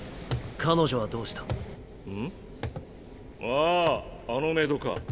あああのメイドか。